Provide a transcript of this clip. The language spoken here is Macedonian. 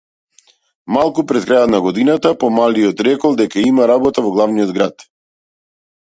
Малку пред крајот на годината помалиот рекол дека има работа во главниот град.